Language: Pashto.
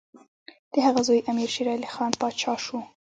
د هغه زوی امیر شېرعلي خان پاچا شو.